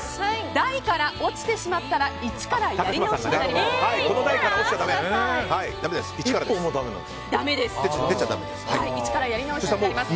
台から落ちてしまったら１からやり直しになります。